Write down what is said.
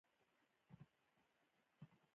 موبایل تر اخرې ورځې جوړ نه شو.